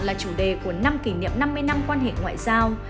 là chủ đề của năm kỷ niệm năm mươi năm quan hệ ngoại giao